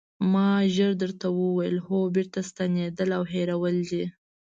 ما ژر درته وویل: هو بېرته ستنېدل او هېرول دي.